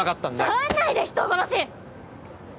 触んないで人殺し。